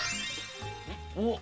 おっ！